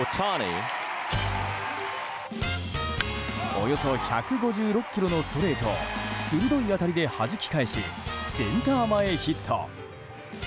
およそ１５６キロのストレートを鋭い当たりではじき返しセンター前ヒット。